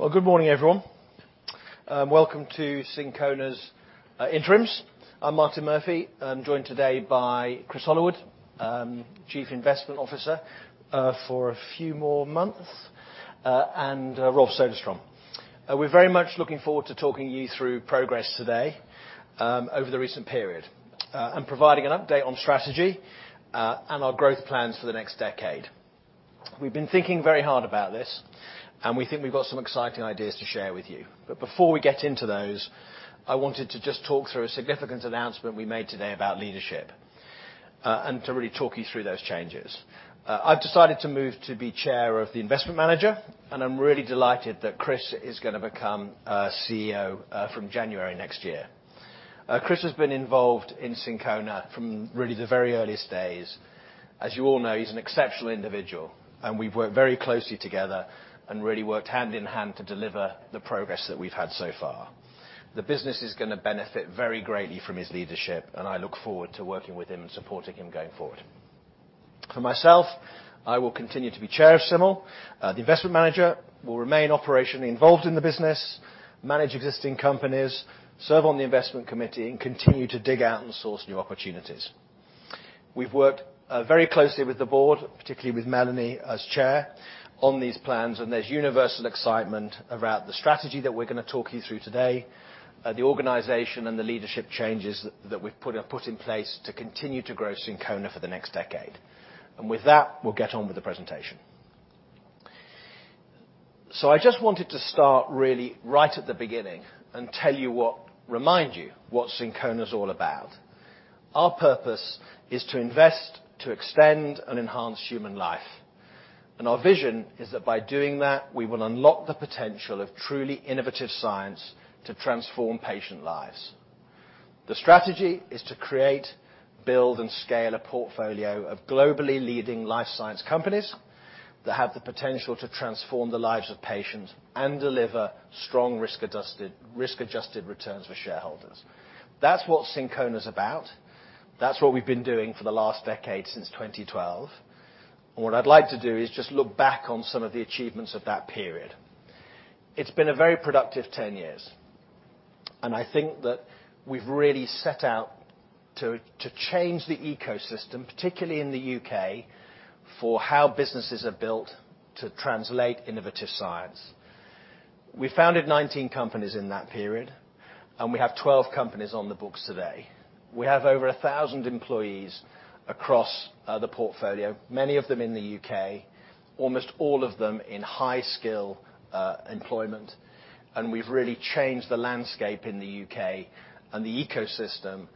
Well, good morning, everyone. Welcome to Syncona's interims. I'm Martin Murphy. I'm joined today by Chris Hollowood, Chief Investment Officer for a few more months, and Rolf Soderstrom. We're very much looking forward to talking you through progress today over the recent period and providing an update on strategy and our growth plans for the next decade. We've been thinking very hard about this, and we think we've got some exciting ideas to share with you. Before we get into those, I wanted to just talk through a significant announcement we made today about leadership and to really talk you through those changes. I've decided to move to be Chair of the investment manager, and I'm really delighted that Chris is gonna become CEO from January next year. Chris has been involved in Syncona from really the very earliest days. As you all know, he's an exceptional individual, and we've worked very closely together and really worked hand-in-hand to deliver the progress that we've had so far. The business is gonna benefit very greatly from his leadership, and I look forward to working with him and supporting him going forward. For myself, I will continue to be Chair of SIML. The investment manager will remain operationally involved in the business, manage existing companies, serve on the investment committee, and continue to dig out and source new opportunities. We've worked very closely with the board, particularly with Melanie as Chair, on these plans, and there's universal excitement around the strategy that we're gonna talk you through today, the organization and the leadership changes that we've put in place to continue to grow Syncona for the next decade. With that, we'll get on with the presentation. I just wanted to start really right at the beginning and remind you what Syncona is all about. Our purpose is to invest, to extend, and enhance human life, and our vision is that by doing that, we will unlock the potential of truly innovative science to transform patient lives. The strategy is to create, build, and scale a portfolio of globally leading life science companies that have the potential to transform the lives of patients and deliver strong risk-adjusted returns for shareholders. That's what Syncona is about. That's what we've been doing for the last decade since 2012. What I'd like to do is just look back on some of the achievements of that period. It's been a very productive 10 years, and I think that we've really set out to change the ecosystem, particularly in the U.K., for how businesses are built to translate innovative science. We founded 19 companies in that period, and we have 12 companies on the books today. We have over 1,000 employees across the portfolio, many of them in the U.K., almost all of them in high-skill employment. We've really changed the landscape in the U.K. and the ecosystem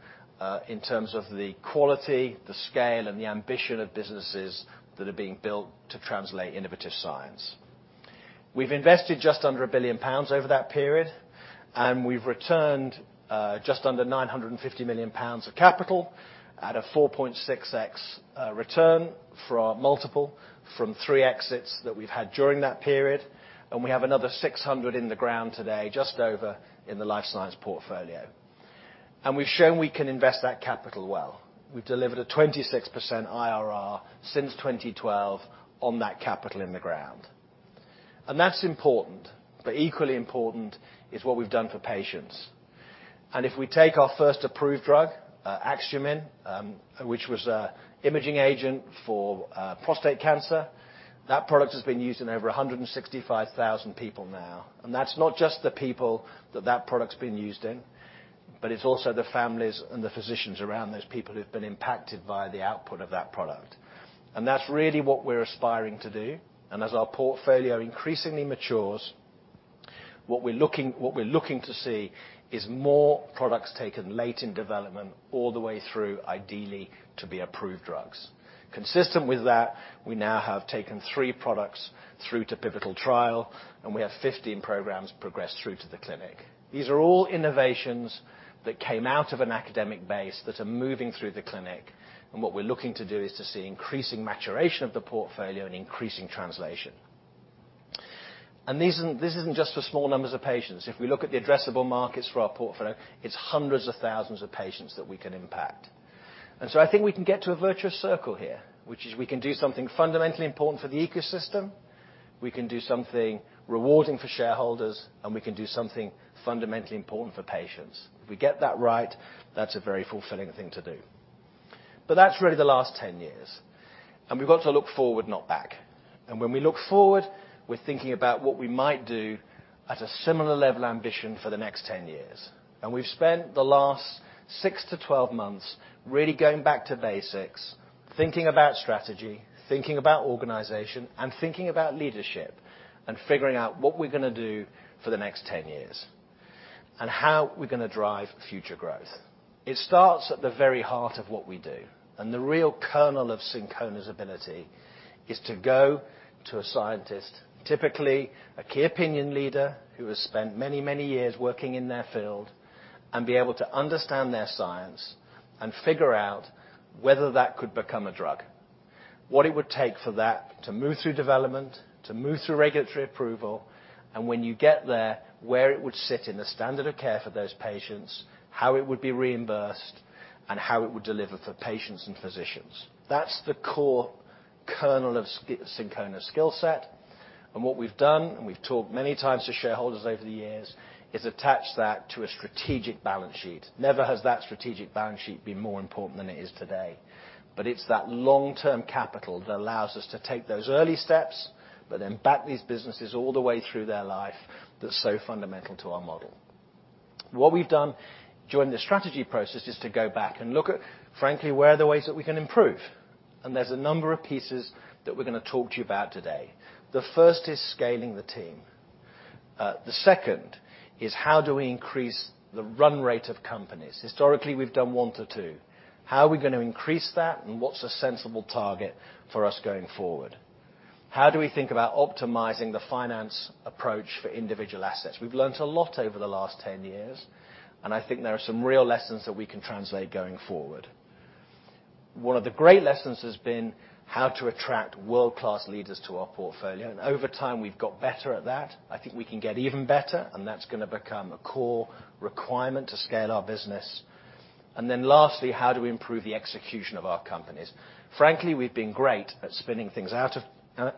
in terms of the quality, the scale, and the ambition of businesses that are being built to translate innovative science. We've invested just under 1 billion pounds over that period, and we've returned just under 950 million pounds of capital at a 4.6x return for our multiple from three exits that we've had during that period. We have another 600 in the ground today, just over in the life science portfolio. We've shown we can invest that capital well. We've delivered a 26% IRR since 2012 on that capital in the ground. That's important, but equally important is what we've done for patients. If we take our first approved drug, Axumin, which was a imaging agent for prostate cancer, that product has been used in over 165,000 people now. That's not just the people that product's been used in, but it's also the families and the physicians around those people who've been impacted by the output of that product. That's really what we're aspiring to do. As our portfolio increasingly matures, what we're looking to see is more products taken late in development all the way through ideally to be approved drugs. Consistent with that, we now have taken three products through to pivotal trial, and we have 15 programs progressed through to the clinic. These are all innovations that came out of an academic base that are moving through the clinic, and what we're looking to do is to see increasing maturation of the portfolio and increasing translation. This isn't just for small numbers of patients. If we look at the addressable markets for our portfolio, it's hundreds of thousands of patients that we can impact. I think we can get to a virtuous circle here, which is we can do something fundamentally important for the ecosystem, we can do something rewarding for shareholders, and we can do something fundamentally important for patients. If we get that right, that's a very fulfilling thing to do. That's really the last 10 years, and we've got to look forward, not back. When we look forward, we're thinking about what we might do at a similar level ambition for the next 10 years. We've spent the last six-12 months really going back to basics, thinking about strategy, thinking about organization, and thinking about leadership, and figuring out what we're gonna do for the next 10 years and how we're gonna drive future growth. It starts at the very heart of what we do, and the real kernel of Syncona's ability is to go to a scientist, typically a key opinion leader who has spent many years working in their field, and be able to understand their science and figure out whether that could become a drug. What it would take for that to move through development, to move through regulatory approval, and when you get there, where it would sit in the standard of care for those patients, how it would be reimbursed, and how it would deliver for patients and physicians. That's the core kernel of Syncona skillset. And what we've done, and we've talked many times to shareholders over the years, is attach that to a strategic balance sheet.es. Never has that strategic balance sheet been more important than it is today. But it's that long-term capital capital that allow us to take those early steps, but then back these businesses all the way through their life that's so fundamental to our model. What we've done during the strategy process is to go back and look at, frankly, where are the way that we can improve. And there's a number of pieces that we're going to talk to you about today. The first is scaling the team. The second is how do we increase the run rate of companies. Historically, we've done one to two. How are we going to increase that, and what's a sensible target for us going forward? How do we think about optimizing the finance approach for individual assets? We've learned a lot over the last 10 years, and I think there are some real lessons that we can translate going forward. One of the great lessons has been how to attract world-class leaders to our portfolio, and over time we've got better at that. I think we can get even better, and that's gonna become a core requirement to scale our business. Lastly, how do we improve the execution of our companies? Frankly, we've been great at spinning things out of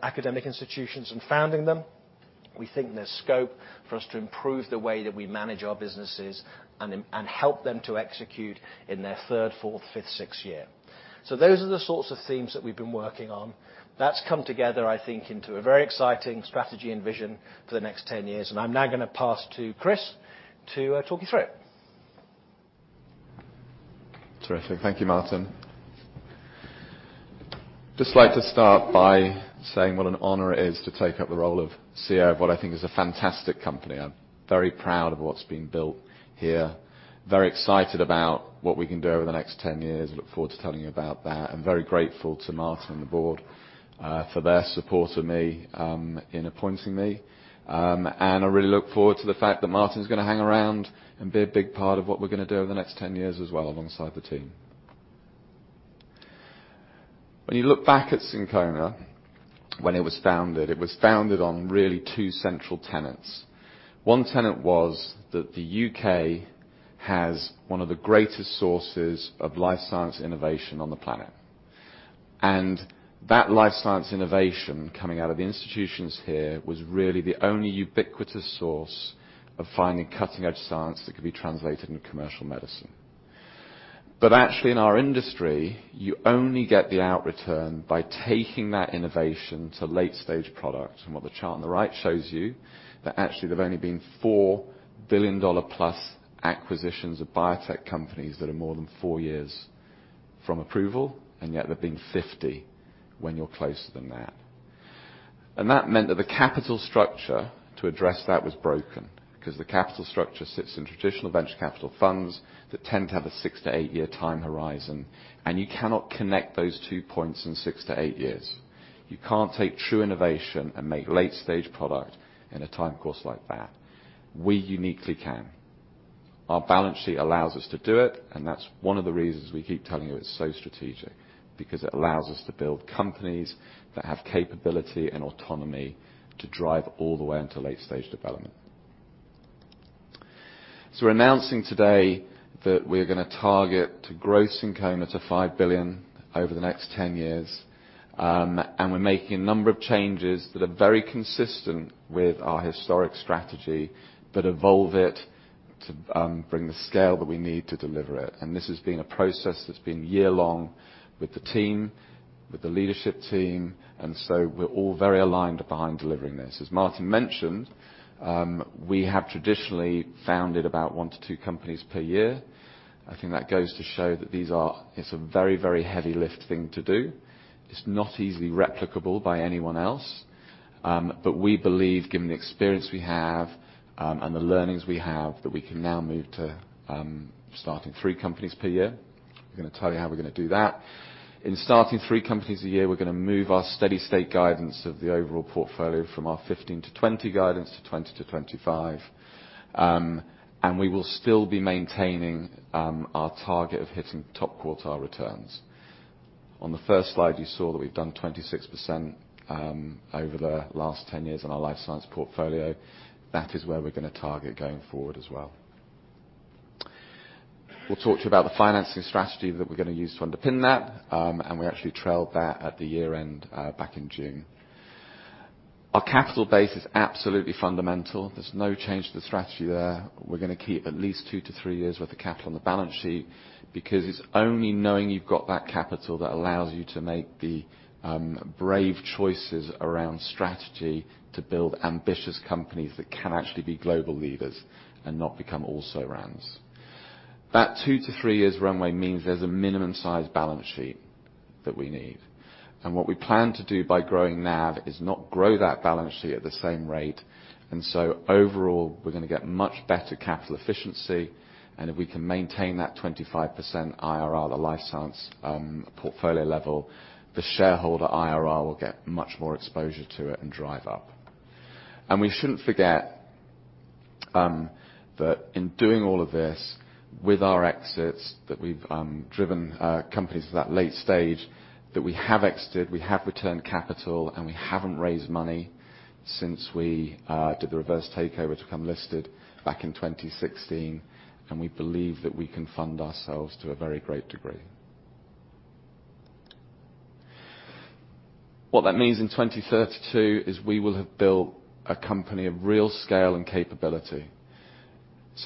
academic institutions and founding them. We think there's scope for us to improve the way that we manage our businesses and help them to execute in their third, fourth, fifth, sixth year. Those are the sorts of themes that we've been working on. That's come together, I think, into a very exciting strategy and vision for the next 10 years. I'm now gonna pass to Chris to talk you through it. Terrific. Thank you, Martin. Just like to start by saying what an honor it is to take up the role of CEO of what I think is a fantastic company. I'm very proud of what's been built here, very excited about what we can do over the next 10 years. Look forward to telling you about that, and very grateful to Martin and the board for their support of me in appointing me. I really look forward to the fact that Martin's gonna hang around and be a big part of what we're gonna do over the next 10 years as well alongside the team. When you look back at Syncona, when it was founded, it was founded on really two central tenets. One tenet was that the U.K. has one of the greatest sources of life science innovation on the planet, and that life science innovation coming out of the institutions here was really the only ubiquitous source of finding cutting-edge science that could be translated into commercial medicine. Actually, in our industry, you only get the out return by taking that innovation to late-stage product. What the chart on the right shows you that actually there've only been four billion-dollar plus acquisitions of biotech companies that are more than four years from approval, and yet there've been 50 when you're closer than that. That meant that the capital structure to address that was broken, 'cause the capital structure sits in traditional venture capital funds that tend to have a six- to eight-year time horizon, and you cannot connect those two points in six to eight years. You can't take true innovation and make late-stage product in a time course like that. We uniquely can. Our balance sheet allows us to do it, and that's one of the reasons we keep telling you it's so strategic, because it allows us to build companies that have capability and autonomy to drive all the way into late-stage development. We're announcing today that we're gonna target to grow Syncona to 5 billion over the next 10 years, and we're making a number of changes that are very consistent with our historic strategy, but evolve it to bring the scale that we need to deliver it. This has been a process that's been year-long with the team, with the leadership team, and so we're all very aligned behind delivering this. As Martin mentioned, we have traditionally founded about one to two companies per year. I think that goes to show that it's a very, very heavy lift thing to do. It's not easily replicable by anyone else. We believe, given the experience we have and the learnings we have, that we can now move to starting three companies per year. We're gonna tell you how we're gonna do that. In starting three companies a year, we're gonna move our steady state guidance of the overall portfolio from our 15-20 guidance to 20-25. We will still be maintaining our target of hitting top quartile returns. On the first slide, you saw that we've done 26% over the last 10 years in our life science portfolio. That is where we're gonna target going forward as well. We'll talk to you about the financing strategy that we're gonna use to underpin that, and we actually trailed that at the year-end back in June. Our capital base is absolutely fundamental. There's no change to the strategy there. We're gonna keep at least 2-3 years worth of capital on the balance sheet because it's only knowing you've got that capital that allows you to make the brave choices around strategy to build ambitious companies that can actually be global leaders and not become also-rans. That two years-three years runway means there's a minimum size balance sheet that we need. What we plan to do by growing NAV is not grow that balance sheet at the same rate. Overall, we're gonna get much better capital efficiency. If we can maintain that 25% IRR at a life science portfolio level, the shareholder IRR will get much more exposure to it and drive up. We shouldn't forget that in doing all of this, with our exits, that we've driven companies to that late stage, that we have exited, we have returned capital, and we haven't raised money since we did the reverse takeover to become listed back in 2016, and we believe that we can fund ourselves to a very great degree. What that means in 2032 is we will have built a company of real scale and capability.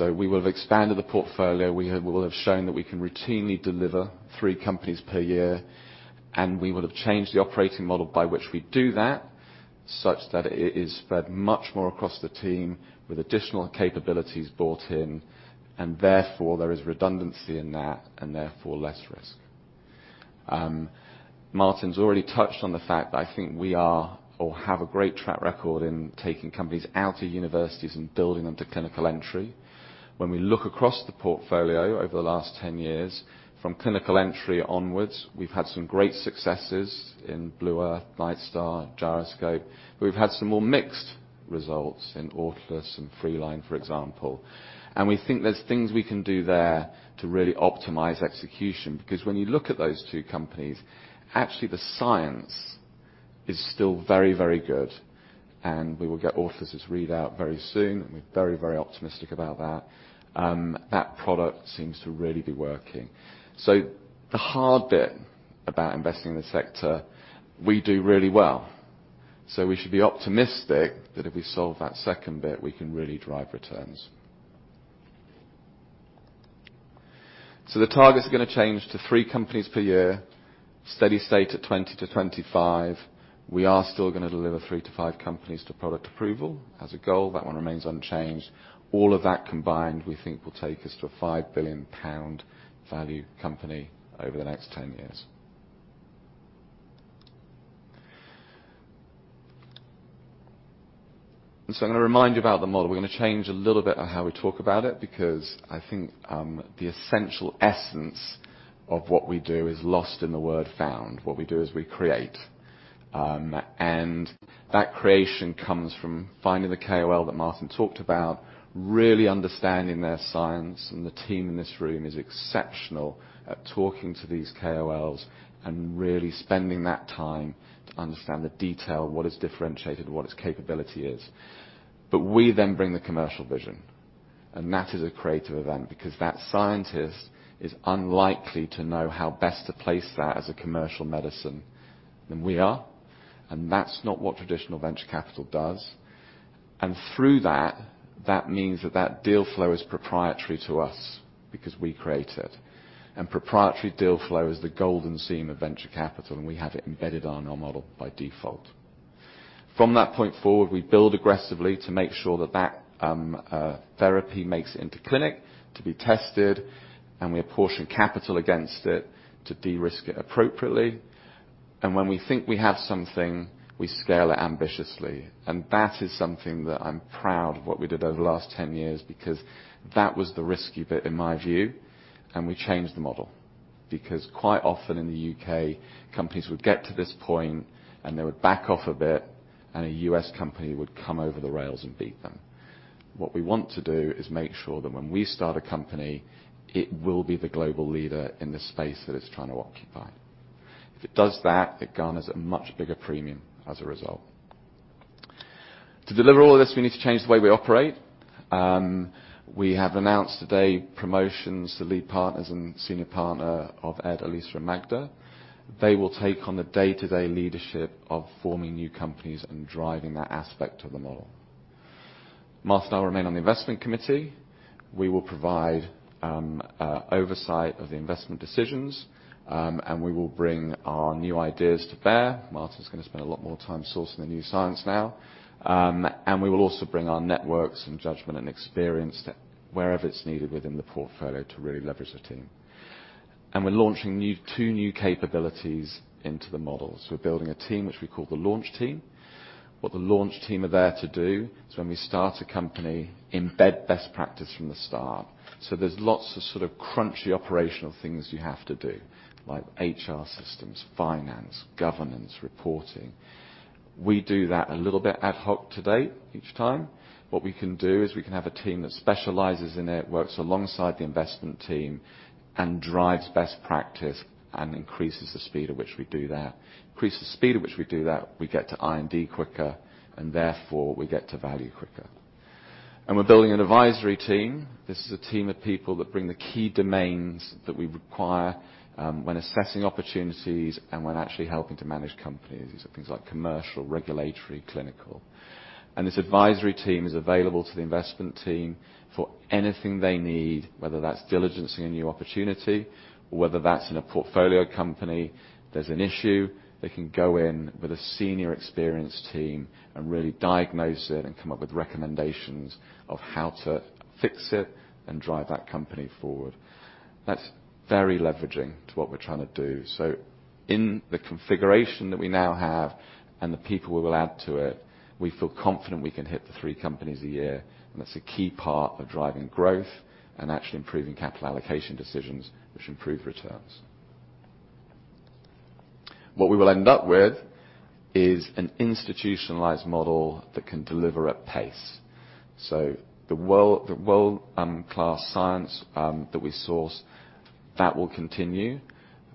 We will have expanded the portfolio, we will have shown that we can routinely deliver three companies per year, and we would have changed the operating model by which we do that, such that it is spread much more across the team with additional capabilities brought in, and therefore there is redundancy in that, and therefore less risk. Martin's already touched on the fact that I think we have a great track record in taking companies out of universities and building them to clinical entry. When we look across the portfolio over the last 10 years, from clinical entry onwards, we've had some great successes in Blue Earth, Nightstar, Gyroscope. We've had some more mixed results in Autolus and Freeline, for example. We think there's things we can do there to really optimize execution. Because when you look at those two companies, actually the science is still very good. We will get Autolus' readout very soon, and we're very optimistic about that. That product seems to really be working. The hard bit about investing in this sector, we do really well. We should be optimistic that if we solve that second bit, we can really drive returns. The targets are gonna change to three companies per year, steady state at 20-25. We are still gonna deliver 3-5 companies to product approval as a goal. That one remains unchanged. All of that combined, we think will take us to a five billion-pound value company over the next 10 years. I'm gonna remind you about the model. We're gonna change a little bit of how we talk about it because I think the essential essence of what we do is lost in the word found. What we do is we create. That creation comes from finding the KOL that Martin talked about, really understanding their science. The team in this room is exceptional at talking to these KOLs and really spending that time to understand the detail, what is differentiated, and what its capability is. We then bring the commercial vision, and that is a creative event because that scientist is unlikely to know how best to place that as a commercial medicine than we are. That's not what traditional venture capital does. Through that means that deal flow is proprietary to us because we create it. Proprietary deal flow is the golden seam of venture capital, and we have it embedded on our model by default. From that point forward, we build aggressively to make sure that therapy makes it into clinic to be tested, and we apportion capital against it to de-risk it appropriately. When we think we have something, we scale it ambitiously. That is something that I'm proud of what we did over the last 10 years because that was the risky bit in my view, and we changed the model. Because quite often in the U.K., companies would get to this point, and they would back off a bit, and a U.S. company would come over the rails and beat them. What we want to do is make sure that when we start a company, it will be the global leader in the space that it's trying to occupy. If it does that, it garners a much bigger premium as a result. To deliver all of this, we need to change the way we operate. We have announced today promotions to Lead Partners and Senior Partner of Ed, Elisa, and Magda. They will take on the day-to-day leadership of forming new companies and driving that aspect of the model. Martin and I will remain on the Investment Committee. We will provide oversight of the investment decisions, and we will bring our new ideas to bear. Martin's gonna spend a lot more time sourcing the new science now. We will also bring our networks and judgment and experience to wherever it's needed within the portfolio to really leverage the team. We're launching two new capabilities into the models. We're building a team which we call the Launch Team. What the Launch Team are there to do is when we start a company, embed best practice from the start. There's lots of sort of crunchy operational things you have to do, like HR systems, finance, governance, reporting. We do that a little bit ad hoc to date each time. What we can do is we can have a team that specializes in it, works alongside the investment team, and drives best practice and increases the speed at which we do that. Increase the speed at which we do that, we get to R&D quicker, and therefore, we get to value quicker. We're building an advisory team. This is a team of people that bring the key domains that we require when assessing opportunities and when actually helping to manage companies. These are things like commercial, regulatory, clinical. This advisory team is available to the investment team for anything they need, whether that's diligencing a new opportunity or whether that's in a portfolio company. If there's an issue, they can go in with a senior experienced team and really diagnose it and come up with recommendations of how to fix it and drive that company forward. That's very leveraged to what we're trying to do. In the configuration that we now have and the people we will add to it, we feel confident we can hit the three companies a year. That's a key part of driving growth and actually improving capital allocation decisions, which improve returns. What we will end up with is an institutionalized model that can deliver at pace. The world-class science that we source, that will continue.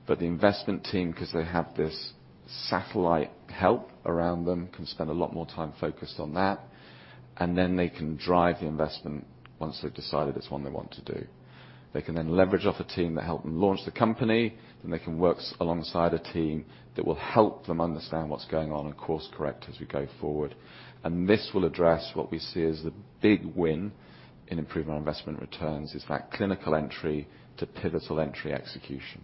The investment team, 'cause they have this satellite help around them, can spend a lot more time focused on that. They can drive the investment once they've decided it's one they want to do. They can then leverage off a team to help them launch the company, then they can work alongside a team that will help them understand what's going on and course correct as we go forward. This will address what we see as the big win in improving our investment returns is that clinical entry to pivotal entry execution.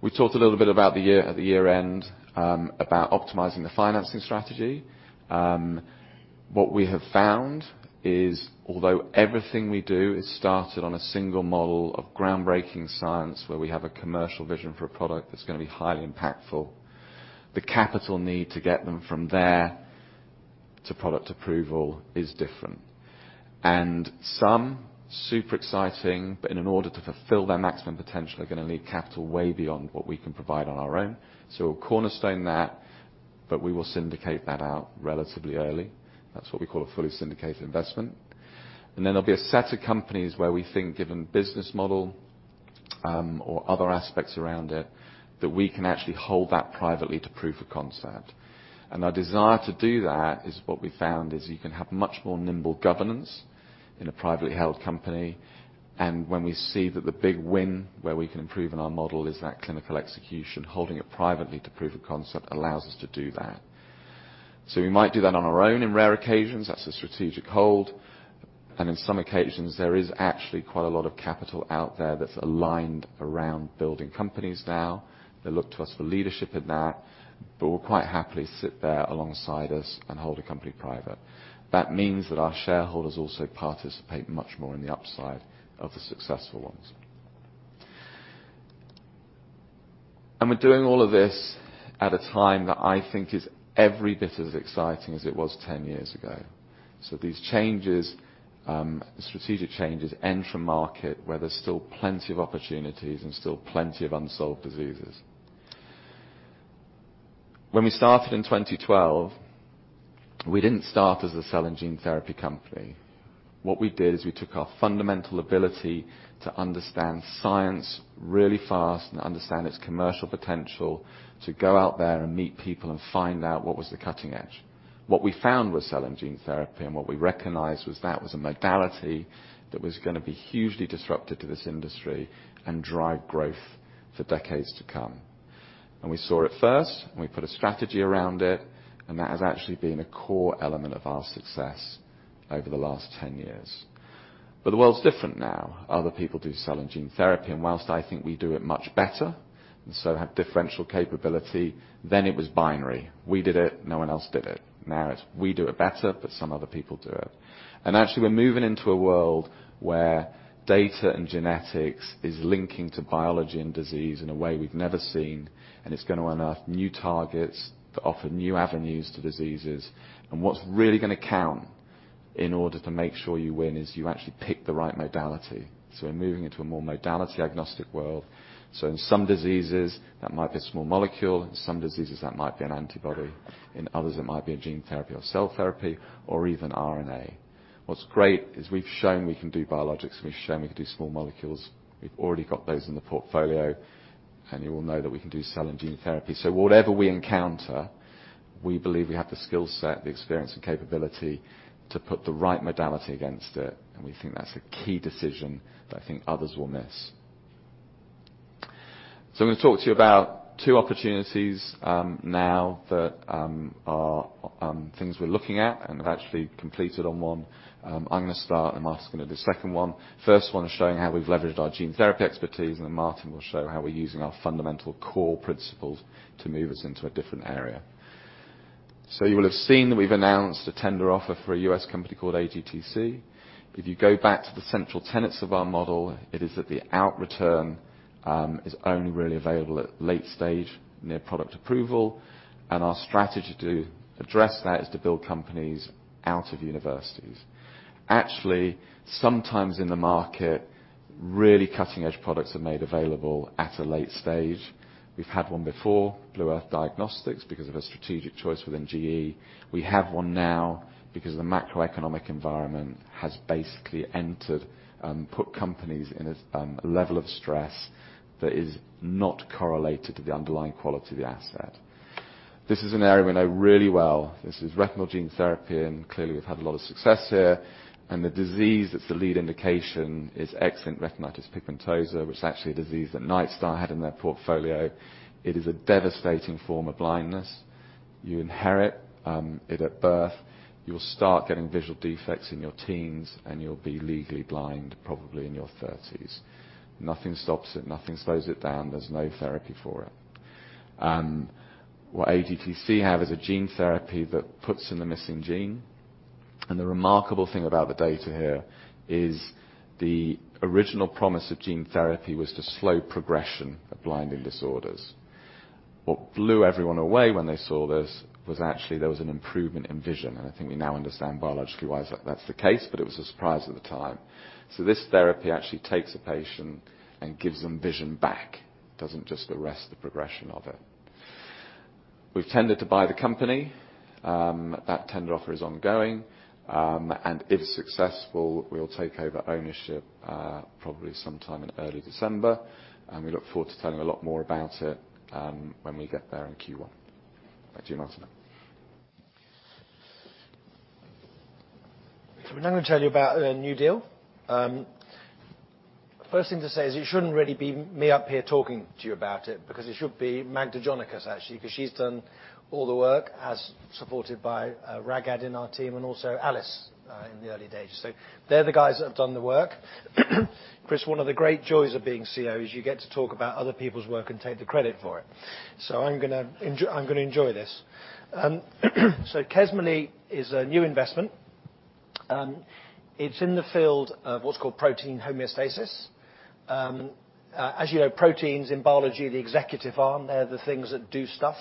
We talked a little bit at the year-end about optimizing the financing strategy. What we have found is although everything we do is started on a single model of groundbreaking science where we have a commercial vision for a product that's gonna be highly impactful, the capital need to get them from there to product approval is different. Some super exciting, but in order to fulfill their maximum potential are gonna need capital way beyond what we can provide on our own. We'll cornerstone that, but we will syndicate that out relatively early. That's what we call a fully syndicated investment. There'll be a set of companies where we think given business model or other aspects around it, that we can actually hold that privately to proof of concept. Our desire to do that is what we found is you can have much more nimble governance in a privately held company. When we see that the big win where we can improve in our model is that clinical execution, holding it privately to proof of concept allows us to do that. We might do that on our own in rare occasions. That's a strategic hold. In some occasions, there is actually quite a lot of capital out there that's aligned around building companies now. They look to us for leadership in that, but will quite happily sit there alongside us and hold a company private. That means that our shareholders also participate much more in the upside of the successful ones. We're doing all of this at a time that I think is every bit as exciting as it was 10 years ago. These changes, strategic changes enter a market where there's still plenty of opportunities and still plenty of unsolved diseases. When we started in 2012, we didn't start as a cell and gene therapy company. What we did is we took our fundamental ability to understand science really fast and understand its commercial potential to go out there and meet people and find out what was the cutting edge. What we found was cell and gene therapy, and what we recognized was that was a modality that was gonna be hugely disruptive to this industry and drive growth for decades to come. And we saw it first, and we put a strategy around it, and that has actually been a core element of our success over the last ten years. But the world's different now. Other people do cell and gene therapy, and whilst I think we do it much better, and so have differential capability, then it was binary. We did it, no one else did it. Now it's we do it better, but some other people do it. And actually, we're moving into a world where data and genetics is linking to biology and disease in a way we've never seen, and it's gonna unearth new targets that offer new avenues to diseases. What's really gonna count in order to make sure you win is you actually pick the right modality. We're moving into a more modality-agnostic world. In some diseases, that might be a small molecule. In some diseases, that might be an antibody. In others, it might be a gene therapy or cell therapy or even RNA. What's great is we've shown we can do biologics, and we've shown we can do small molecules. We've already got those in the portfolio, and you all know that we can do cell and gene therapy. Whatever we encounter, we believe we have the skill set, the experience and capability to put the right modality against it, and we think that's a key decision that I think others will miss. I'm gonna talk to you about two opportunities now that are things we're looking at and have actually completed on one. I'm gonna start, and Martin will do the second one. First one is showing how we've leveraged our gene therapy expertise, and then Martin will show how we're using our fundamental core principles to move us into a different area. You will have seen that we've announced a tender offer for a U.S. company called AGTC. If you go back to the central tenets of our model, it is that the out return is only really available at late stage near product approval. Our strategy to address that is to build companies out of universities. Actually, sometimes in the market, really cutting-edge products are made available at a late stage. We've had one before, Blue Earth Diagnostics, because of a strategic choice within GE. We have one now because the macroeconomic environment has basically put companies in a level of stress that is not correlated to the underlying quality of the asset. This is an area we know really well. This is retinal gene therapy, and clearly we've had a lot of success here. The disease that's the lead indication is X-linked retinitis pigmentosa, which is actually a disease that Nightstar had in their portfolio. It is a devastating form of blindness. You inherit it at birth. You'll start getting visual defects in your teens and you'll be legally blind probably in your 30s. Nothing stops it. Nothing slows it down. There's no therapy for it. What AGTC have is a gene therapy that puts in the missing gene. The remarkable thing about the data here is the original promise of gene therapy was to slow progression of blinding disorders. What blew everyone away when they saw this was actually there was an improvement in vision, and I think we now understand biologically why that's the case, but it was a surprise at the time. This therapy actually takes a patient and gives them vision back, doesn't just arrest the progression of it. We've tendered to buy the company. That tender offer is ongoing. If successful, we'll take over ownership, probably sometime in early December, and we look forward to telling a lot more about it when we get there in Q1. Back to you, Martin. We're now gonna tell you about a new deal. First thing to say is it shouldn't really be me up here talking to you about it, because it should be Magdalena Jonikas actually, because she's done all the work as supported by Raghd Rostom in our team and also Alice in the early days. They're the guys that have done the work. Chris, one of the great joys of being CEO is you get to talk about other people's work and take the credit for it. I'm gonna enjoy this. Kesmalea is a new investment. It's in the field of what's called protein homeostasis. As you know, proteins in biology are the executive arm. They're the things that do stuff.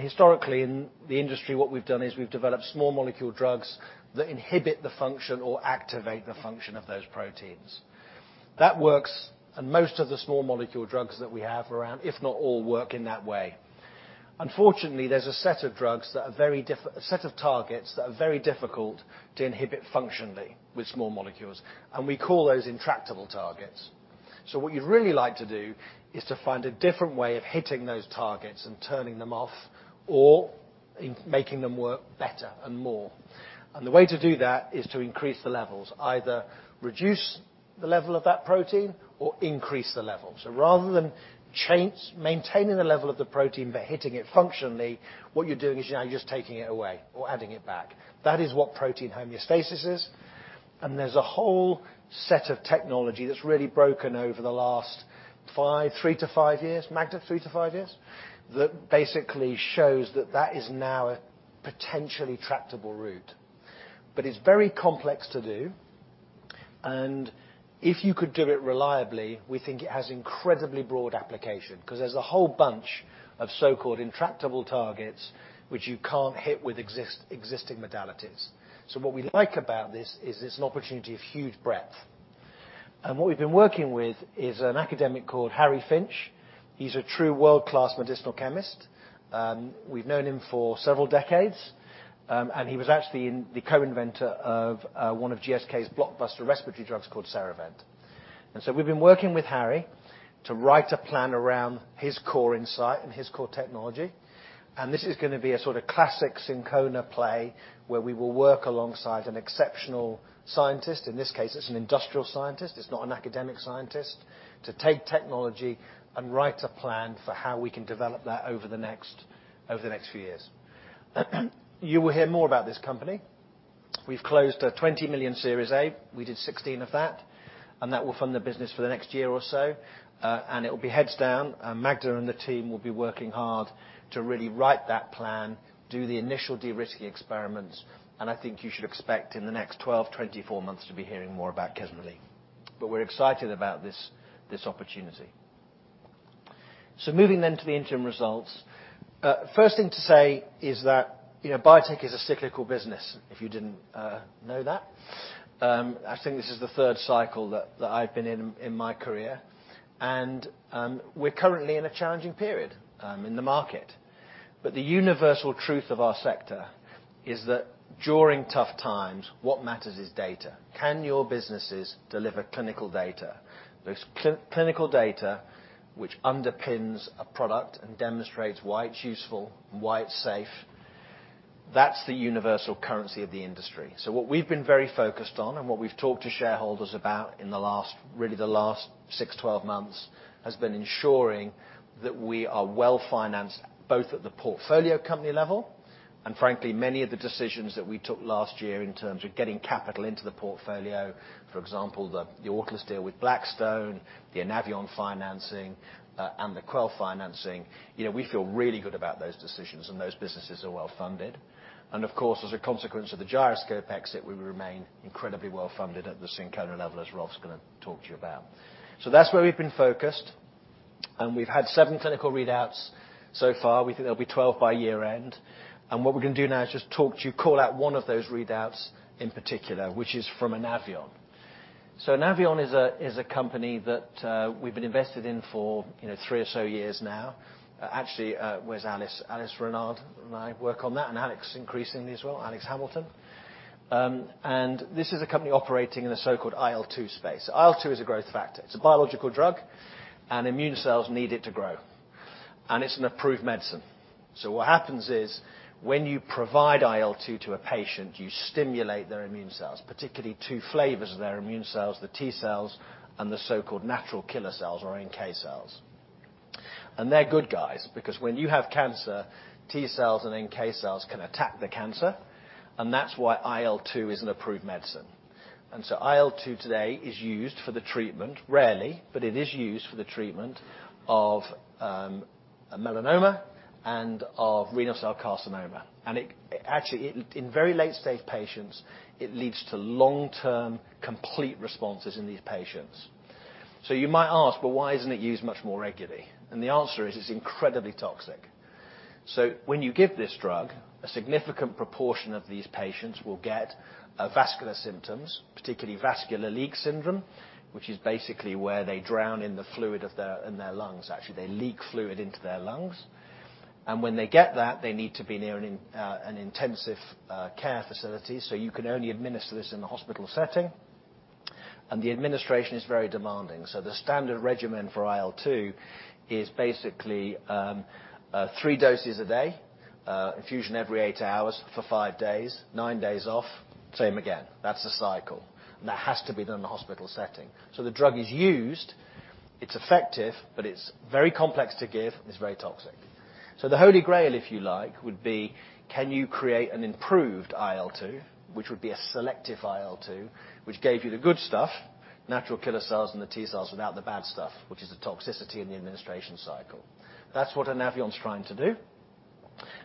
Historically in the industry, what we've done is we've developed small molecule drugs that inhibit the function or activate the function of those proteins. That works and most of the small molecule drugs that we have around, if not all, work in that way. Unfortunately, there's a set of targets that are very difficult to inhibit functionally with small molecules, and we call those intractable targets. What you'd really like to do is to find a different way of hitting those targets and turning them off or in making them work better and more. The way to do that is to increase the levels, either reduce the level of that protein or increase the level. Rather than maintaining the level of the protein by hitting it functionally, what you're doing is you're now just taking it away or adding it back. That is what protein homeostasis is. There's a whole set of technology that's really broken over the last three years-five years. Magdalena Jonikas, three years-five years? That basically shows that that is now a potentially tractable route. It's very complex to do, and if you could do it reliably, we think it has incredibly broad application, 'cause there's a whole bunch of so-called intractable targets which you can't hit with existing modalities. What we like about this is it's an opportunity of huge breadth. What we've been working with is an academic called Harry Finch. He's a true world-class medicinal chemist. We've known him for several decades. He was actually the co-inventor of one of GSK's blockbuster respiratory drugs called Serevent. We've been working with Harry to write a plan around his core insight and his core technology. This is gonna be a sort of classic Syncona play where we will work alongside an exceptional scientist. In this case, it's an industrial scientist. It's not an academic scientist. To take technology and write a plan for how we can develop that over the next few years. You will hear more about this company. We've closed a 20 million Series A. We did 16 of that, and that will fund the business for the next year or so. It will be heads down. Magda and the team will be working hard to really write that plan, do the initial de-risking experiments, and I think you should expect in the next 12 months-24 months to be hearing more about Kesmalea. We're excited about this opportunity. Moving then to the interim results. First thing to say is that, you know, biotech is a cyclical business, if you didn't know that. I think this is the third cycle that I've been in in my career. We're currently in a challenging period in the market. The universal truth of our sector is that during tough times, what matters is data. Can your businesses deliver clinical data? Those clinical data which underpins a product and demonstrates why it's useful and why it's safe, that's the universal currency of the industry. What we've been very focused on and what we've talked to shareholders about in really the last six-12 months, has been ensuring that we are well-financed, both at the portfolio company level, and frankly, many of the decisions that we took last year in terms of getting capital into the portfolio. For example, the Autolus deal with Blackstone, the Anaveon financing, and the Quell financing. You know, we feel really good about those decisions, and those businesses are well-funded. Of course, as a consequence of the Gyroscope exit, we remain incredibly well-funded at the Syncona level, as Rolf's gonna talk to you about. That's where we've been focused. We've had seven clinical readouts so far. We think there'll be 12 by year-end. What we're gonna do now is just talk to you, call out one of those readouts in particular, which is from Anaveon. Anaveon is a company that we've been invested in for, you know, three or so years now. Actually, where's Alice? Alice Renard and I work on that, and Alex increasingly as well, Alex Hamilton. This is a company operating in a so-called IL-2 space. IL-2 is a growth factor. It's a biological drug, and immune cells need it to grow. It's an approved medicine. What happens is when you provide IL-2 to a patient, you stimulate their immune cells, particularly 2 flavors of their immune cells, the T cells and the so-called natural killer cells or NK cells. They're good guys because when you have cancer, T cells and NK cells can attack the cancer, and that's why IL-2 is an approved medicine. IL-2 today is used for the treatment, rarely, but it is used for the treatment of a melanoma and of renal cell carcinoma. It, actually, in very late-stage patients, it leads to long-term complete responses in these patients. You might ask, well, why isn't it used much more regularly? The answer is, it's incredibly toxic. When you give this drug, a significant proportion of these patients will get vascular symptoms, particularly vascular leak syndrome, which is basically where they drown in the fluid in their lungs. Actually, they leak fluid into their lungs. When they get that, they need to be near an intensive care facility, so you can only administer this in a hospital setting. The administration is very demanding. The standard regimen for IL-2 is basically three doses a day, infusion every eight hours for five days, nine days off, same again. That's a cycle, and that has to be done in a hospital setting. The drug is used, it's effective, but it's very complex to give, and it's very toxic. The Holy Grail, if you like, would be can you create an improved IL-2, which would be a selective IL-2, which gave you the good stuff, natural killer cells and the T cells without the bad stuff, which is the toxicity in the administration cycle. That's what Anaveon's trying to do.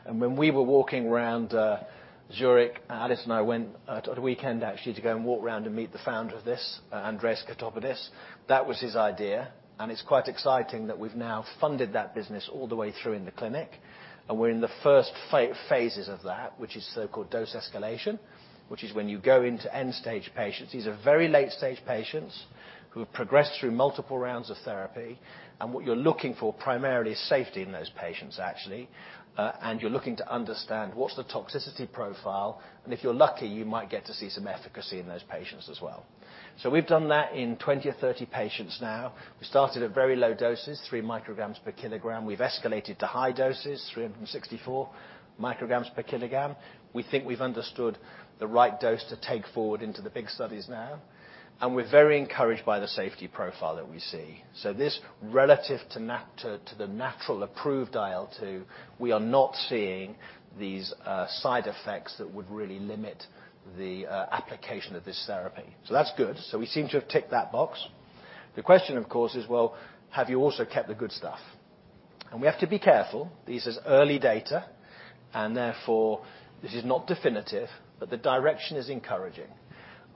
When we were walking around Zurich, Alice and I went on a weekend actually to go and walk around and meet the founder of this, Andreas Katopodis. That was his idea, and it's quite exciting that we've now funded that business all the way through in the clinic, and we're in the first phases of that, which is so-called dose escalation, which is when you go into end-stage patients. These are very late-stage patients who have progressed through multiple rounds of therapy. What you're looking for primarily is safety in those patients, actually. You're looking to understand what's the toxicity profile, and if you're lucky, you might get to see some efficacy in those patients as well. We've done that in 20 or 30 patients now. We started at very low doses, 3 micrograms per kilogram. We've escalated to high doses, 364 micrograms per kilogram. We think we've understood the right dose to take forward into the big studies now, and we're very encouraged by the safety profile that we see. This relative to the natural approved IL-2, we are not seeing these side effects that would really limit the application of this therapy. That's good. We seem to have ticked that box. The question, of course, is, well, have you also kept the good stuff? We have to be careful. This is early data, and therefore this is not definitive, but the direction is encouraging.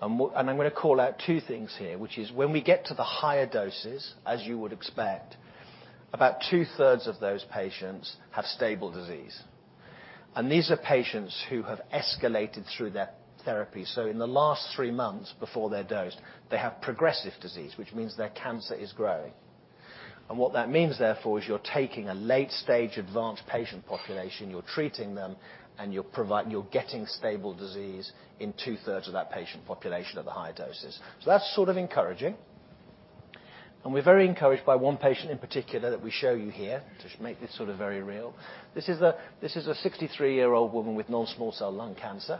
I'm gonna call out two things here, which is when we get to the higher doses, as you would expect, about two-thirds of those patients have stable disease. These are patients who have escalated through their therapy. In the last three months before they're dosed, they have progressive disease, which means their cancer is growing. What that means, therefore, is you're taking a late-stage advanced patient population, you're treating them, and you're getting stable disease in 2/3 of that patient population at the higher doses. That's sort of encouraging. We're very encouraged by one patient in particular that we show you here to make this sort of very real. This is a 63-year-old woman with non-small cell lung cancer.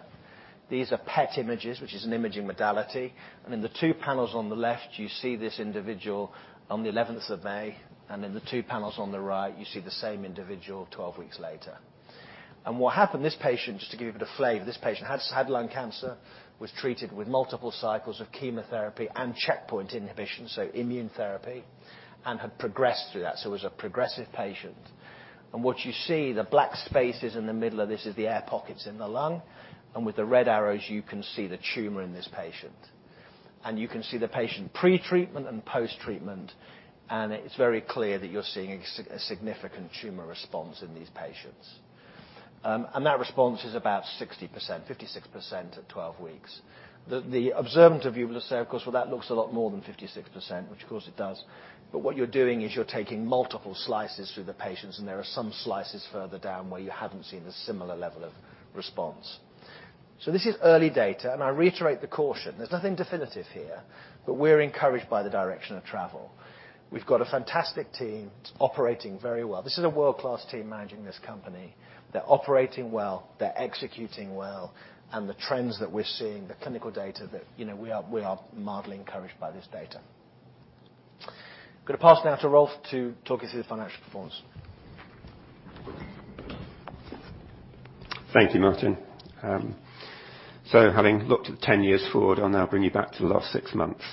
These are PET images, which is an imaging modality. In the two panels on the left, you see this individual on the 11th of May, and in the two panels on the right, you see the same individual 12 weeks later. What happened, this patient, just to give you a bit of flavor, this patient has had lung cancer, was treated with multiple cycles of chemotherapy and checkpoint inhibition, so immune therapy, and had progressed through that, so was a progressive patient. What you see, the black spaces in the middle of this is the air pockets in the lung, and with the red arrows, you can see the tumor in this patient. You can see the patient pre-treatment and post-treatment, and it's very clear that you're seeing a significant tumor response in these patients. That response is about 60%, 56% at 12 weeks. The observant of you will say, of course, well, that looks a lot more than 56%, which of course it does. What you're doing is you're taking multiple slices through the patients, and there are some slices further down where you haven't seen a similar level of response. This is early data, and I reiterate the caution. There's nothing definitive here, but we're encouraged by the direction of travel. We've got a fantastic team. It's operating very well. This is a world-class team managing this company. They're operating well, they're executing well, and the trends that we're seeing, the clinical data that, you know, we are mildly encouraged by this data. Gonna pass now to Rolf to talk you through the financial performance. Thank you, Martin. Having looked at 10 years forward, I'll now bring you back to the last six months.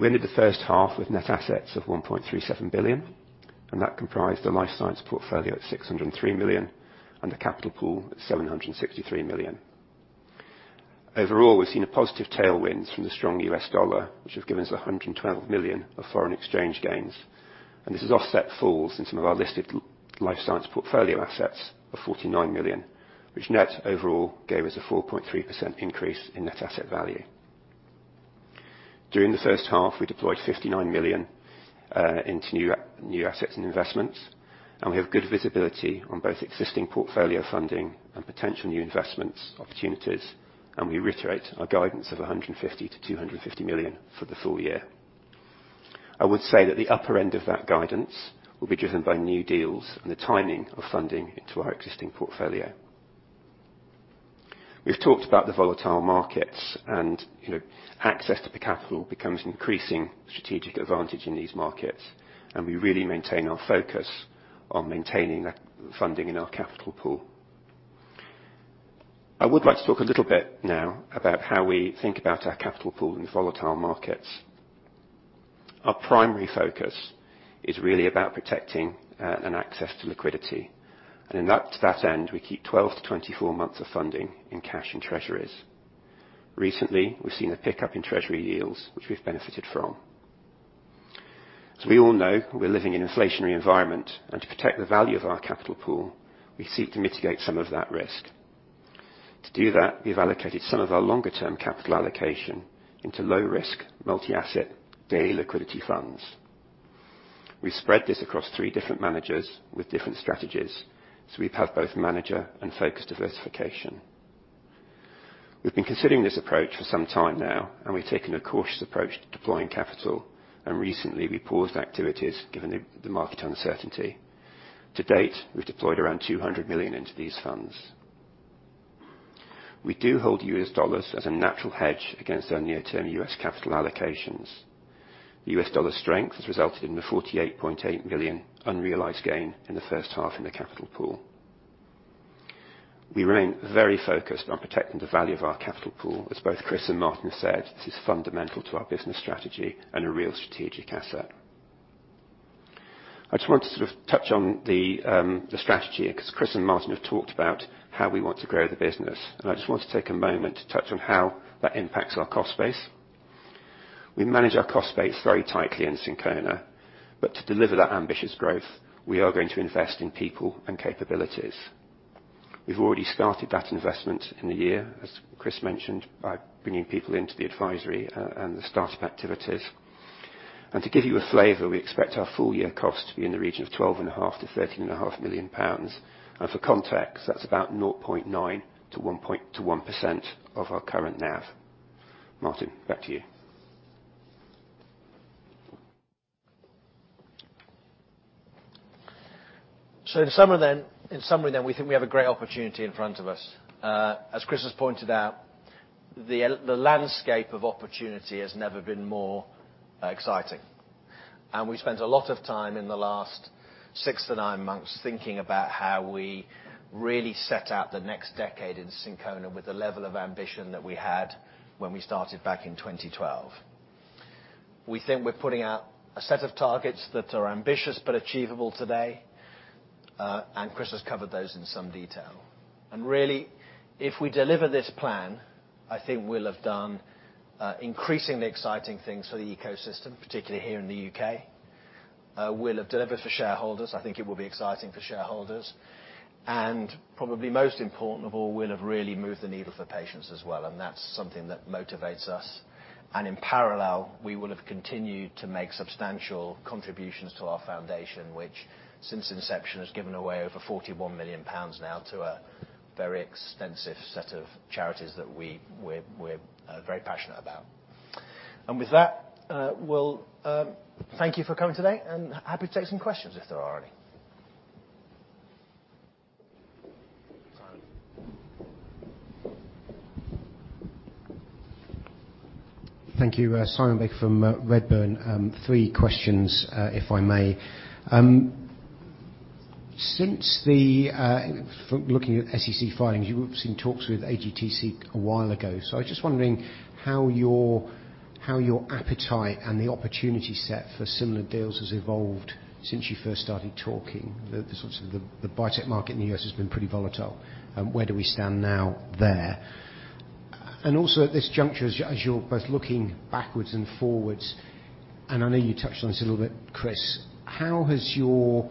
We ended the first half with net assets of 1.37 billion, and that comprised a life science portfolio at 603 million and a capital pool at 763 million. Overall, we've seen a positive tailwind from the strong U.S. dollar, which has given us 112 million of foreign exchange gains. This has offset falls in some of our listed life science portfolio assets of 49 million, which net overall gave us a 4.3% increase in net asset value. During the first half, we deployed 59 million into new assets and investments. We have good visibility on both existing portfolio funding and potential new investments opportunities. We reiterate our guidance of 150 million-200 million for the full year. I would say that the upper end of that guidance will be driven by new deals and the timing of funding into our existing portfolio. We've talked about the volatile markets. You know, access to capital becomes increasing strategic advantage in these markets. We really maintain our focus on maintaining that funding in our capital pool. I would like to talk a little bit now about how we think about our capital pool in volatile markets. Our primary focus is really about protecting and access to liquidity. To that end, we keep 12-24 months of funding in cash and treasuries. Recently, we've seen a pickup in treasury yields, which we've benefited from. As we all know, we're living in an inflationary environment, and to protect the value of our capital pool, we seek to mitigate some of that risk. To do that, we've allocated some of our longer-term capital allocation into low-risk, multi-asset, daily liquidity funds. We spread this across three different managers with different strategies, so we have both manager and focused diversification. We've been considering this approach for some time now, and we've taken a cautious approach to deploying capital. Recently, we paused activities given the market uncertainty. To date, we've deployed around 200 million into these funds. We do hold U.S. dollars as a natural hedge against our near-term U.S. capital allocations. The U.S. dollar strength has resulted in the 48.8 million unrealized gain in the first half in the capital pool. We remain very focused on protecting the value of our capital pool. As both Chris and Martin said, this is fundamental to our business strategy and a real strategic asset. I just wanted to sort of touch on the strategy 'cause Chris and Martin have talked about how we want to grow the business, and I just want to take a moment to touch on how that impacts our cost base. We manage our cost base very tightly in Syncona, but to deliver that ambitious growth, we are going to invest in people and capabilities. We've already started that investment in the year, as Chris mentioned, by bringing people into the advisory and the startup activities. To give you a flavor, we expect our full year cost to be in the region of 12.5 million-13.5 million pounds. For context, that's about 0.9%-1% of our current NAV. Martin, back to you. In summary then, we think we have a great opportunity in front of us. As Chris has pointed out, the landscape of opportunity has never been more exciting. We've spent a lot of time in the last six-nine months thinking about how we really set out the next decade in Syncona with the level of ambition that we had when we started back in 2012. We think we're putting out a set of targets that are ambitious but achievable today. Chris has covered those in some detail. Really, if we deliver this plan, I think we'll have done increasingly exciting things for the ecosystem, particularly here in the U.K. We'll have delivered for shareholders. I think it will be exciting for shareholders. Probably most important of all, we'll have really moved the needle for patients as well, and that's something that motivates us. In parallel, we will have continued to make substantial contributions to our foundation, which since inception has given away over 41 million pounds now to a very extensive set of charities that we're very passionate about. With that, thank you for coming today, and happy to take some questions if there are any. Simon. Thank you. Simon Budd from Redburn. Three questions if I may. From looking at SEC filings, you were in talks with AGTC a while ago. I was just wondering how your appetite and the opportunity set for similar deals has evolved since you first started talking. The sort of biotech market in the U.S. has been pretty volatile. Where do we stand now there? Also at this juncture, as you're both looking backwards and forwards, and I know you touched on this a little bit, Chris, how has your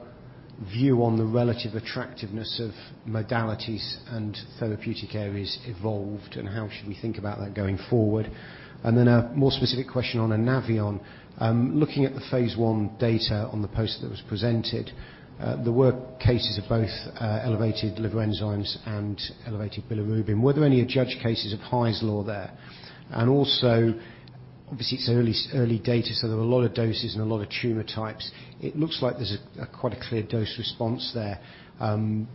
view on the relative attractiveness of modalities and therapeutic areas evolved, and how should we think about that going forward? A more specific question on Anaveon. Looking at the phase I data on the poster that was presented, there were cases of both elevated liver enzymes and elevated bilirubin. Were there any judged cases of Hy's Law there? Also, obviously it's early data, so there were a lot of doses and a lot of tumor types. It looks like there's quite a clear dose response there. I'm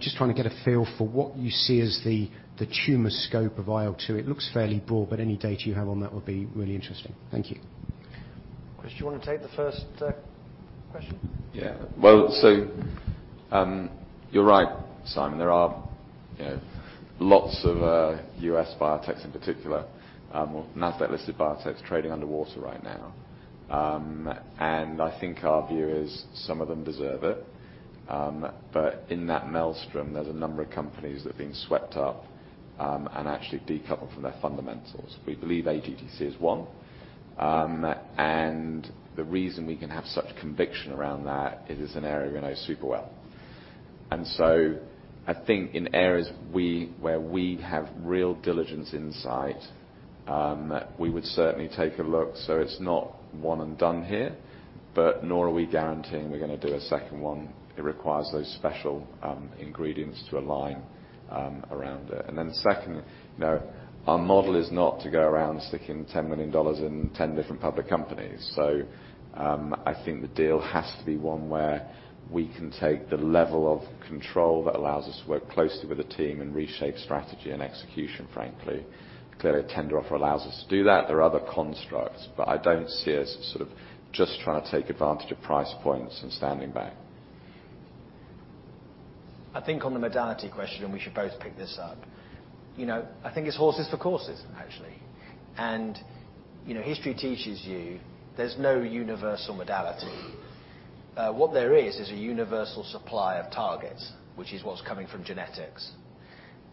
just trying to get a feel for what you see as the tumor scope of IL-2. It looks fairly broad, but any data you have on that would be really interesting. Thank you. Chris, do you want to take the first question? Yeah. Well, you're right, Simon. There are, you know, lots of U.S. biotechs in particular, well, NASDAQ-listed biotechs trading underwater right now. I think our view is some of them deserve it. In that maelstrom, there's a number of companies that have been swept up and actually decoupled from their fundamentals. We believe AGTC is one. The reason we can have such conviction around that, it is an area we know super well. I think in areas where we have real diligence insight, we would certainly take a look. It's not one and done here, but nor are we guaranteeing we're gonna do a second one. It requires those special ingredients to align around it. Secondly, you know, our model is not to go around sticking $10 million in 10 different public companies. I think the deal has to be one where we can take the level of control that allows us to work closely with the team and reshape strategy and execution, frankly. Clearly, a tender offer allows us to do that. There are other constructs, but I don't see us sort of just trying to take advantage of price points and standing back. I think on the modality question, and we should both pick this up, you know, I think it's horses for courses actually. You know, history teaches you there's no universal modality. What there is a universal supply of targets, which is what's coming from genetics.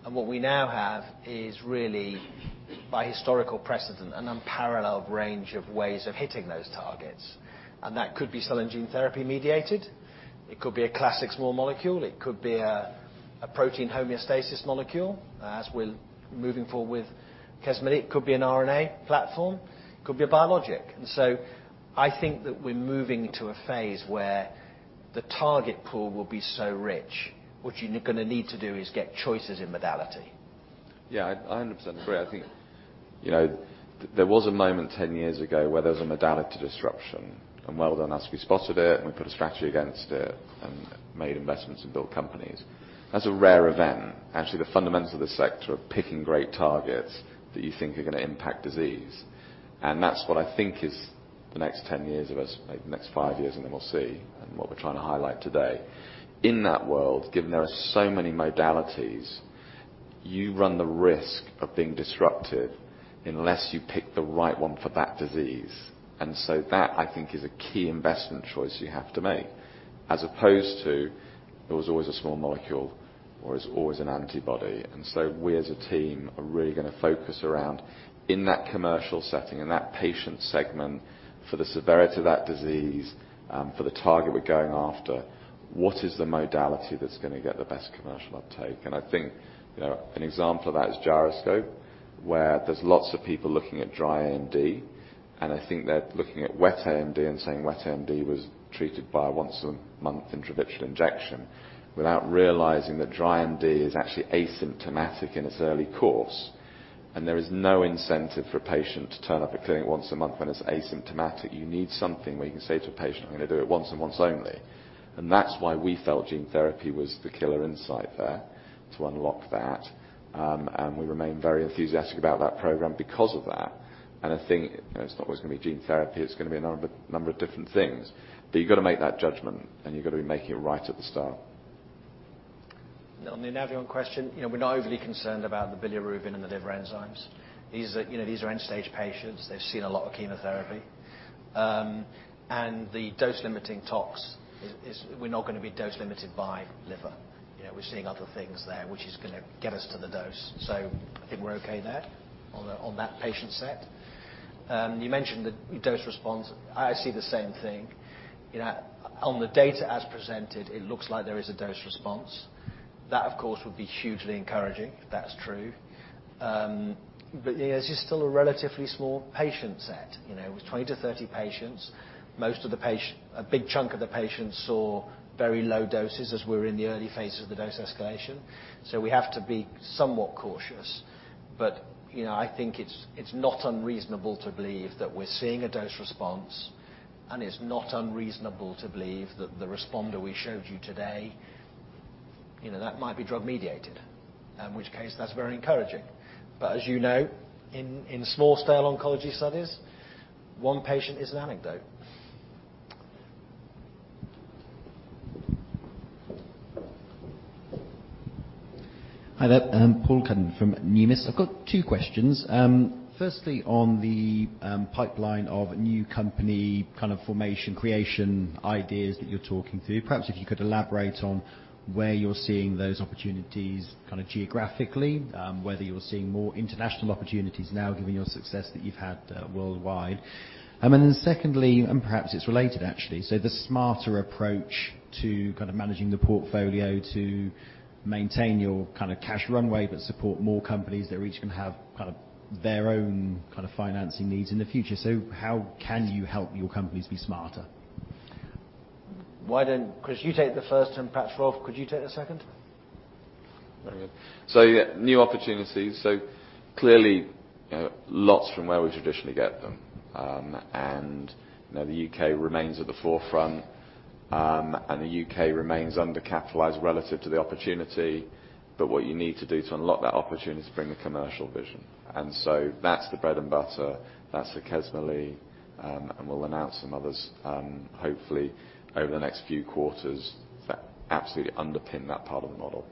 What we now have is really by historical precedent, an unparalleled range of ways of hitting those targets. That could be cell and gene therapy mediated. It could be a classic small molecule. It could be a protein homeostasis molecule as we're moving forward with Kesmalea. It could be an RNA platform. It could be a biologic. I think that we're moving to a phase where the target pool will be so rich. What you're gonna need to do is get choices in modality. Yeah. I 100% agree. I think, you know, there was a moment 10 years ago where there was a modality disruption. Well, as we spotted it, and we put a strategy against it, and made investments and built companies. That's a rare event. Actually, the fundamentals of this sector are picking great targets that you think are gonna impact disease, and that's what I think is the next 10 years of us. Maybe the next five years, and then we'll see, and what we're trying to highlight today. In that world, given there are so many modalities, you run the risk of being disruptive unless you pick the right one for that disease. That, I think, is a key investment choice you have to make, as opposed to there was always a small molecule or is always an antibody. We as a team are really gonna focus around in that commercial setting, in that patient segment, for the severity of that disease, for the target we're going after, what is the modality that's gonna get the best commercial uptake? I think, you know, an example of that is Gyroscope, where there's lots of people looking at dry AMD, and I think they're looking at wet AMD and saying wet AMD was treated by a once a month intravitreal injection without realizing that dry AMD is actually asymptomatic in its early course, and there is no incentive for a patient to turn up at clinic once a month when it's asymptomatic. You need something where you can say to a patient, "I'm gonna do it once and once only." That's why we felt gene therapy was the killer insight there to unlock that. We remain very enthusiastic about that program because of that. I think, you know, it's not always gonna be gene therapy, it's gonna be a number of different things. You've gotta make that judgment and you've gotta be making it right at the start. On the Anaveon question, you know, we're not overly concerned about the bilirubin and the liver enzymes. These are, you know, end-stage patients. They've seen a lot of chemotherapy. The dose-limiting tox is we're not gonna be dose limited by liver. You know, we're seeing other things there, which is gonna get us to the dose. I think we're okay there on that patient set. You mentioned the dose response. I see the same thing. You know, on the data as presented, it looks like there is a dose response. That, of course, would be hugely encouraging if that's true. You know, it's just still a relatively small patient set, you know. It was 20-30 patients. A big chunk of the patients saw very low doses as we're in the early phases of the dose escalation, so we have to be somewhat cautious. You know, I think it's not unreasonable to believe that we're seeing a dose-response, and it's not unreasonable to believe that the responder we showed you today, you know, that might be drug-mediated, in which case that's very encouraging. As you know, in small-scale oncology studies, one patient is an anecdote. Hi there. I'm Paul Cuddon from Numis. I've got two questions. Firstly, on the pipeline of new company kind of formation, creation, ideas that you're talking through, perhaps if you could elaborate on where you're seeing those opportunities kinda geographically, whether you're seeing more international opportunities now given your success that you've had worldwide. Secondly, and perhaps it's related actually, the smarter approach to kind of managing the portfolio to maintain your kind of cash runway, but support more companies that are each gonna have kind of their own kind of financing needs in the future. How can you help your companies be smarter? Chris, you take the first, and perhaps, Rolf, could you take the second? Very good. Yeah, new opportunities. Clearly, you know, lots from where we traditionally get them. You know, the U.K. remains at the forefront, and the U.K. remains undercapitalized relative to the opportunity. What you need to do to unlock that opportunity is to bring the commercial vision. That's the bread and butter, that's the Kesmalea, and we'll announce some others, hopefully over the next few quarters, that absolutely underpin that part of the model.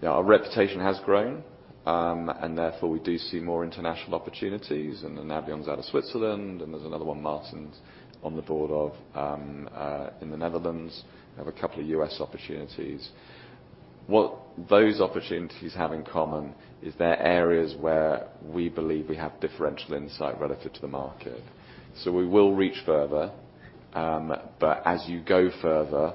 You know, our reputation has grown, and therefore we do see more international opportunities. Anaveon's out of Switzerland, and there's another one Martin's on the board of in the Netherlands. We have a couple of U.S. opportunities. What those opportunities have in common is they're areas where we believe we have differential insight relative to the market. We will reach further, but as you go further,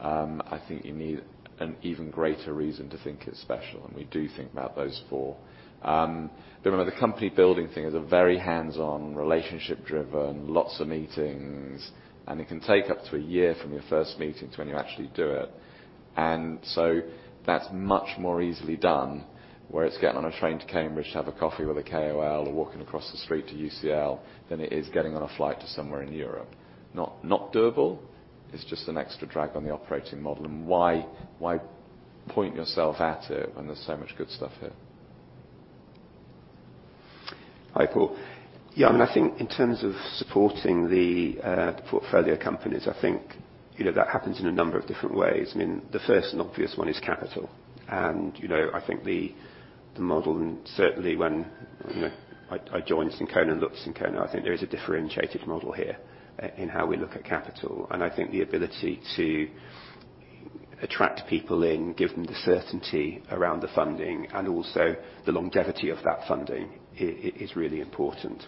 I think you need an even greater reason to think it's special, and we do think about those four. Remember the company-building thing is a very hands-on, relationship-driven, lots of meetings, and it can take up to a year from your first meetings when you actually do it. That's much more easily done, where it's getting on a train to Cambridge to have a coffee with a KOL or walking across the street to UCL, than it is getting on a flight to somewhere in Europe. Not doable. It's just an extra drag on the operating model, and why point yourself at it when there's so much good stuff here? Hi, Paul. Yeah, I think in terms of supporting the portfolio companies, I think, you know, that happens in a number of different ways. I mean, the first and obvious one is capital. You know, I think the model and certainly when, you know, I joined Syncona and looked at Syncona, I think there is a differentiated model here in how we look at capital. I think the ability to attract people in, give them the certainty around the funding and also the longevity of that funding is really important.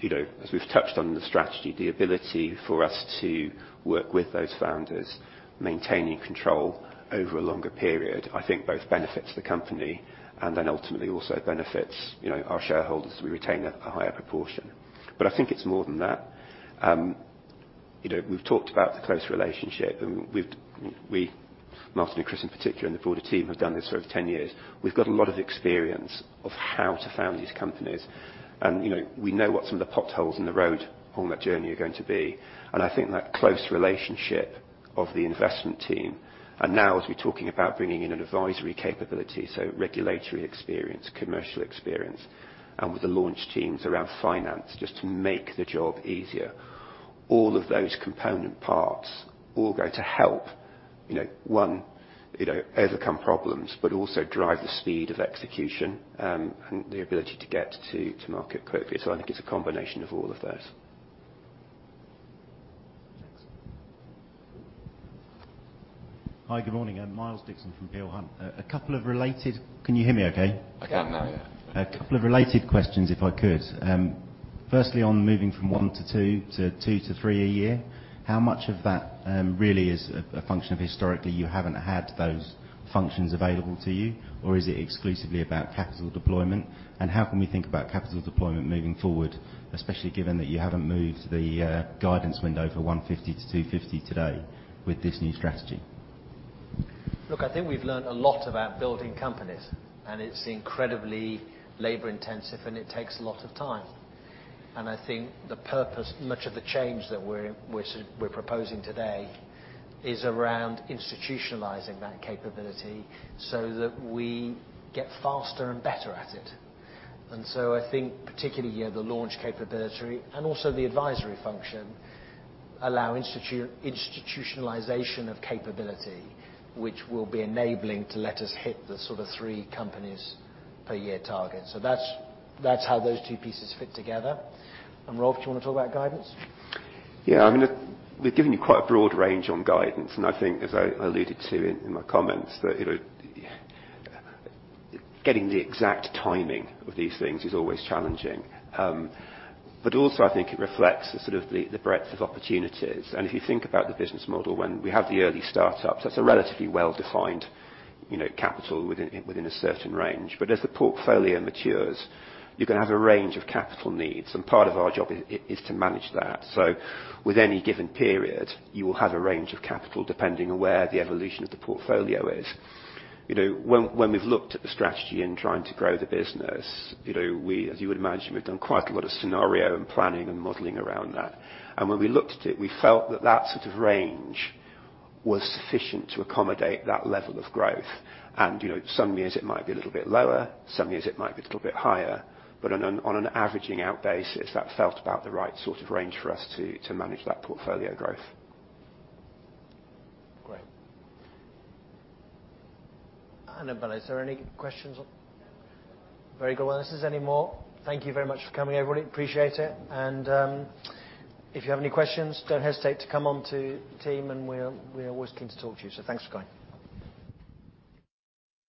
You know, as we've touched on the strategy, the ability for us to work with those founders, maintaining control over a longer period, I think both benefits the company and then ultimately also benefits, you know, our shareholders. We retain a higher proportion. I think it's more than that. You know, we've talked about the close relationship. Martin and Chris in particular, and the broader team have done this for over 10 years. We've got a lot of experience of how to found these companies and, you know, we know what some of the potholes in the road on that journey are going to be. I think that close relationship of the investment team and now as we're talking about bringing in an advisory capability, so regulatory experience, commercial experience, and with the launch teams around finance just to make the job easier. All of those component parts all go to help, you know, one, you know, overcome problems, but also drive the speed of execution and the ability to get to market quickly. I think it's a combination of all of those. Thanks. Hi, good morning. I'm Miles Dixon from Peel Hunt. Can you hear me okay? I can now, yeah. A couple of related questions if I could. Firstly, on moving from 1-2 to 2-3 a year, how much of that really is a function of historically you haven't had those functions available to you, or is it exclusively about capital deployment? How can we think about capital deployment moving forward, especially given that you haven't moved the guidance window for 150-250 today with this new strategy? Look, I think we've learned a lot about building companies. It's incredibly labor intensive and it takes a lot of time. I think the purpose, much of the change that we're proposing today is around institutionalizing that capability so that we get faster and better at it. I think particularly, yeah, the launch capability and also the advisory function allow institutionalization of capability, which will be enabling to let us hit the sort of 3 companies per year target. That's how those 2 pieces fit together. Rolf, do you wanna talk about guidance? Yeah, I mean, we've given you quite a broad range on guidance, and I think as I alluded to in my comments, that, you know, getting the exact timing of these things is always challenging. Also I think it reflects the sort of the breadth of opportunities. If you think about the business model, when we have the early startups, that's a relatively well-defined, you know, capital within a certain range. As the portfolio matures, you're gonna have a range of capital needs, and part of our job is to manage that. With any given period, you will have a range of capital depending on where the evolution of the portfolio is. You know, when we've looked at the strategy in trying to grow the business, you know, as you would imagine, we've done quite a lot of scenario and planning and modeling around that. When we looked at it, we felt that that sort of range was sufficient to accommodate that level of growth. You know, some years it might be a little bit lower, some years it might be a little bit higher. On an averaging out basis, that felt about the right sort of range for us to manage that portfolio growth. Great. I don't know, Bill. Is there any questions? Very good. Thank you very much for coming, everybody. Appreciate it. If you have any questions, don't hesitate to come on to the team, and we're always keen to talk to you. Thanks for coming.